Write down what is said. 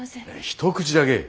一口だけ。